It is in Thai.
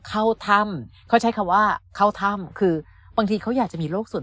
เข้าถ้ำเขาใช้คำว่าเข้าถ้ำคือบางทีเขาอยากจะมีโลกส่วน